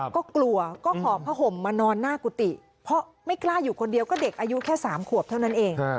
ก็กลัวก็หอบผ้าห่มมานอนหน้ากุฏิเพราะไม่กล้าอยู่คนเดียวก็เด็กอายุแค่๓ขวบเท่านั้นเอง